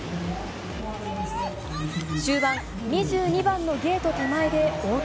終盤、２２番のゲート手前で横転。